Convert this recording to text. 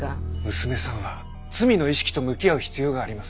娘さんは罪の意識と向き合う必要があります。